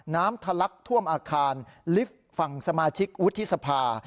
ทะลักท่วมอาคารลิฟต์ฝั่งสมาชิกวุฒิสภา